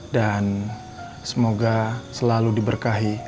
dan semoga selalu diberkahi